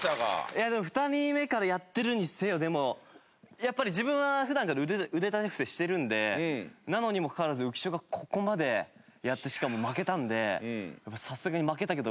いやでも２人目からやってるにせよでもやっぱり自分は普段から腕立て伏せしてるんでなのにもかかわらず浮所がここまでやってしかも負けたんでやっぱさすがにいい勝負でしたね。